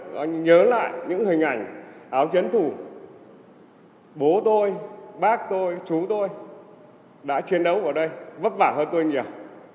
chúng tôi đã chiến đấu ở đây vất vả hơn tôi nhiều